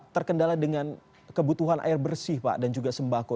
terkendala dengan kebutuhan air bersih pak dan juga sembako